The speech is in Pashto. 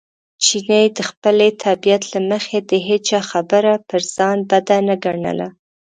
چیني د خپلې طبیعت له مخې د هېچا خبره پر ځان بد نه ګڼله.